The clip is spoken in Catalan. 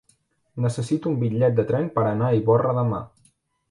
Necessito un bitllet de tren per anar a Ivorra demà.